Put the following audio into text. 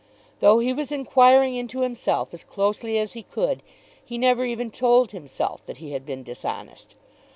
Though he was inquiring into himself as closely as he could, he never even told himself that he had been dishonest.